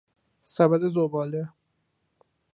سبد زباله